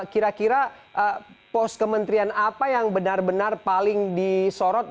kira kira pos kementerian apa yang benar benar paling disorot